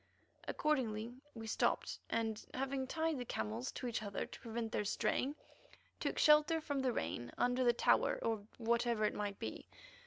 Accordingly, we stopped, and, having tied the camels to each other to prevent their straying, took shelter from the rain under the tower or whatever it might be.